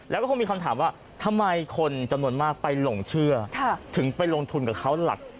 แล้วก็คงมีคำถามว่าทำไมคนจำนวนมากไปหลงเชื่อถึงไปลงทุนกับเขาหลัก